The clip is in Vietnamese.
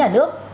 đối nhà nước